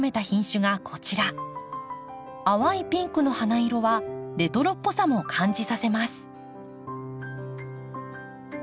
淡いピンクの花色はレトロっぽさも感じさせます。